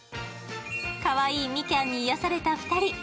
かわいいみきゃんに癒やされた２人。